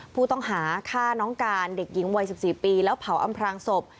ผู้ต้องหาฆ่าน้องการเด็กหญิงวัย๑๔ปีแล้วเผาอำพลางศพ